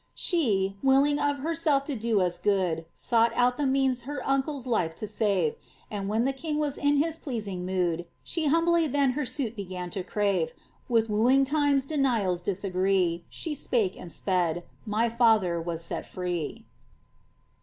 *' She, willing of herself to do us good. Sought out the means her uncle*s life to sare ; And when the king was in his pleasing mood She hiunbly then her suit began to crave ; With wooing times denials disagree. She spake and sped — my father was set free.'